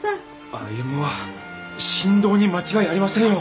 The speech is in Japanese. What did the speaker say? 歩は神童に間違いありませんよ！